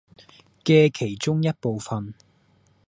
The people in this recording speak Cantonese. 嘅其中一部分